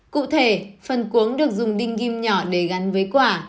cụ thể phần cuống được dùng đinh kim nhỏ để gắn với quả